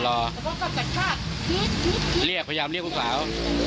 แล้วก็กระจากจิ๊บจิ๊บจิ๊บจิ๊บพยายามเรียกคุณสาว